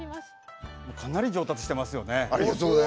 かなり上達してますよね。